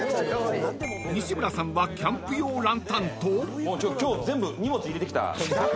［西村さんはキャンプ用ランタンと］